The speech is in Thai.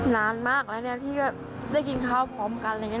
นานมากแล้วเนี่ยพี่ก็ได้กินข้าวพร้อมกันอะไรงี้น่ะ